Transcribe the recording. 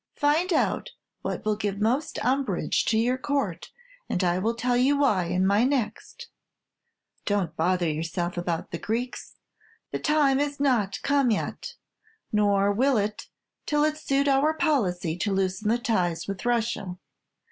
Find out what will give most umbrage to your Court, and I will tell you why in my next. "Don't bother yourself about the Greeks. The time is not come yet, nor will it till it suit our policy to loosen the ties with Russia.